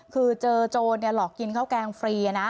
คือเจอโจรหลอกกินข้าวแกงฟรีนะ